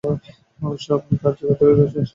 অবশ্য আপনি কার্যক্ষেত্রেই রয়েছেন এবং সব জানেন।